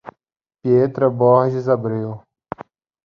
Pietra Borges Abreu